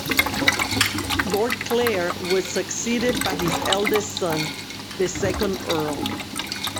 Lord Clare was succeeded by his eldest son, the second Earl.